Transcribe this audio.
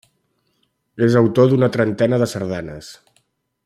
És autor d'una trentena de sardanes.